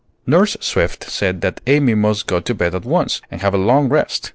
Nurse Swift said that Amy must go to bed at once, and have a long rest.